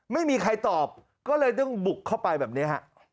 ไม่มีใครตอบก็เลยต้องบุกเข้าไปแบบนี้ฮะ